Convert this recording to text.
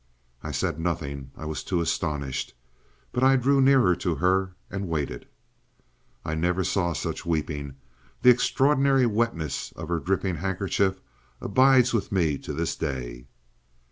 I said nothing, I was too astonished; but I drew nearer to her, and waited. ... I never saw such weeping; the extraordinary wetness of her dripping handkerchief abides with me to this day.